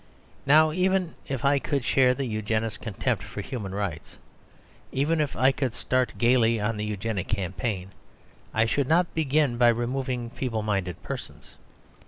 Now, even if I could share the Eugenic contempt for human rights, even if I could start gaily on the Eugenic campaign, I should not begin by removing feeble minded persons.